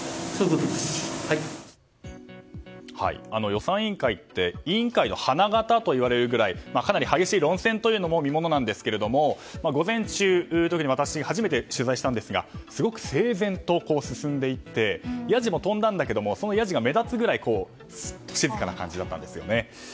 予算委員会って委員会の花型といわれるぐらいかなり激しい論戦も見ものなんですが午前中の時に私は初めて取材したんですがすごく整然と進んで行ってやじも飛んだんですがそのやじが目立つくらい静かな感じだったんですね。